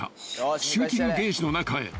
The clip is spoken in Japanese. シューティングゲージの中へ］